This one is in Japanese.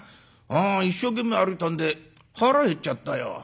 一生懸命歩いたんで腹減っちゃったよ。